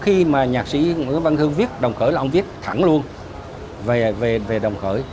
khi mà nhạc sĩ nguyễn văn hưng viết đồng khởi là ông viết thẳng luôn về đồng khởi